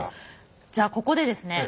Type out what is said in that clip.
じゃあここでですね